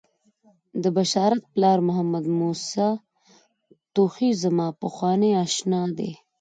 د بشارت پلار محمدموسی توخی زما پخوانی آشنا دی.